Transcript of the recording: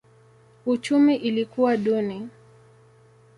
Uchumi ilikuwa duni.